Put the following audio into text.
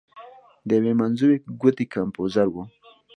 د یوې منځوۍ ګوتې کمپوزر و.